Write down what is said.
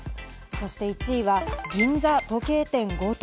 そして１位は銀座時計店強盗。